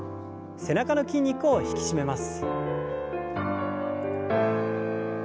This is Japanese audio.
背中の筋肉を引き締めます。